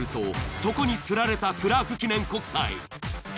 そこにつられたクラーク記念国際。